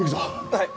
はい！